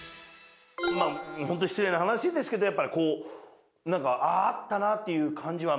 ホント失礼な話ですけどやっぱこうなんかあああったなっていう感じはまだ。